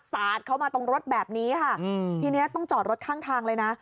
สาดเข้ามาตรงรถแบบนี้ค่ะทีนี้ต้องจอดรถข้างทางเลยนะ